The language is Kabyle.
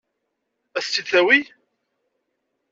Ad s-tt-id-tawi?